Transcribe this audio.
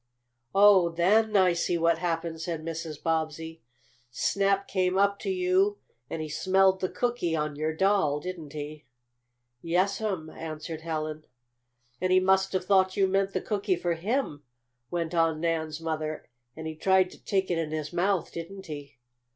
"Oh, then I see what happened," said Mrs. Bobbsey. "Snap came up to you, and he smelled the cookie on your doll; didn't he?" "Yes'm," answered Helen. "And he must have thought you meant the cookie for him," went on Nan's mother. "And he tried to take it in his mouth; didn't he?"